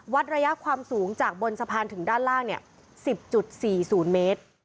วัดระยะความสูงจากบนสะพานถึงด้านล่าง๑๐๔๐เมตร